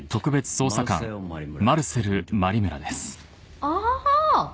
ああ。